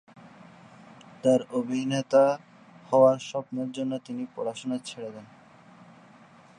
তার অভিনেতা হওয়ার স্বপ্নের জন্য তিনি পড়াশোনা ছেড়ে দেন।